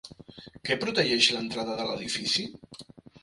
Què protegeix l'entrada de l'edifici?